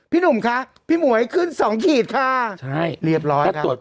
หนุ่มคะพี่หมวยขึ้นสองขีดค่ะใช่เรียบร้อยถ้าตรวจ